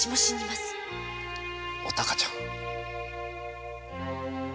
お孝ちゃん！